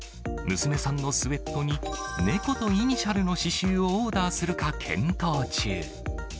娘さんのスエットに、猫とイニシャルの刺しゅうをオーダーするか検討中。